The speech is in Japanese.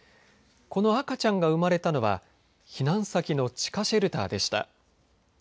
この赤ちゃんが生まれたのは避難先の地下シェルターでした。